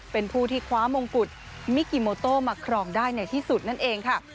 เป็นผู้ที่คว้ามงกุฎมิกิโมโต้มาครองได้ในที่สุดนั่นเองค่ะ